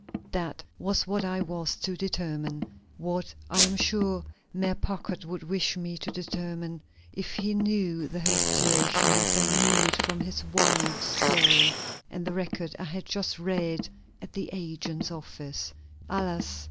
That was what I was to determine; what I am sure Mayor Packard would wish me to determine if he knew the whole situation as I knew it from his wife's story and the record I had just read at the agent's office. Alas!